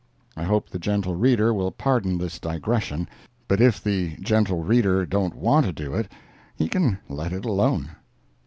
] I hope the gentle reader will pardon this digression; but if the gentle reader don't want to do it, he can let it alone.